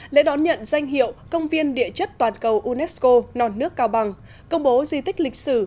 lễ đón nhận danh hiệu công viên địa chất toàn cầu unesco non nước cao bằng công bố di tích lịch sử